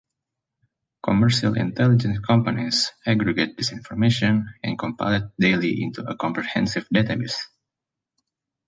Commercial intelligence companies aggregate this information and compile it daily into a comprehensive database.